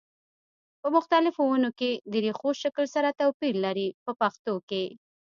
په مختلفو ونو کې د ریښو شکل سره توپیر لري په پښتو کې.